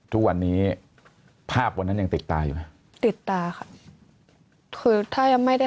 ทุกวันนี้ภาพวันนั้นยังติดตาอยู่ไหมติดตาค่ะคือถ้ายังไม่ได้